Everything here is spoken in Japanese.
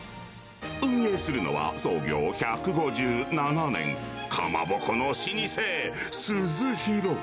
運営するのは、創業１５７年、かまぼこの老舗、鈴廣。